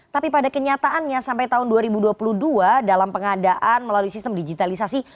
tapi pada kenyataannya sampai tahun dua ribu dua puluh dua dalam pengadaan melalui sistem digitalisasi